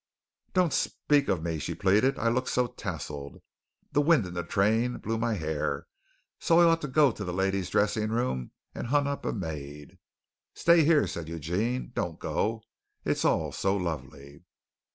"Don't speak of me," she pleaded. "I look so tousled. The wind in the train blew my hair so I ought to go the ladies' dressing room and hunt up a maid." "Stay here," said Eugene. "Don't go. It is all so lovely."